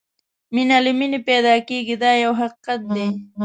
مینه له مینې پیدا کېږي دا یو حقیقت دی.